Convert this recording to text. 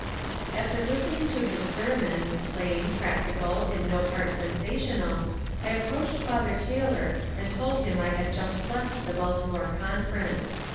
After listening to his sermon, — plain, practical, in no part sensational, — I approached Father Taylor and told him I had just left the Baltimore Conference.